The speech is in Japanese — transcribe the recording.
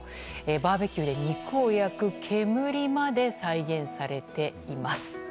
バーベキューで肉を焼く煙まで再現されています。